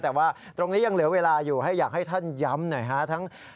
แต่ว่าตรงนี้ยังเหลือเวลาอยู่ให้อยากให้ท่านย้ำหน่อยฮะ